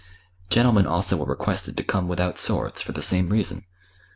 Gentlemen also were requested to come without swords, for the same reason.